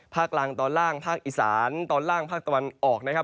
กลางตอนล่างภาคอีสานตอนล่างภาคตะวันออกนะครับ